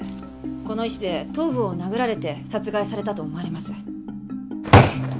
この石で頭部を殴られて殺害されたと思われます。